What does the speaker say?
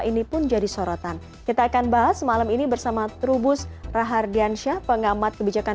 ini pun jadi sorotan kita akan bahas malam ini bersama trubus rahardiansyah pengamat kebijakan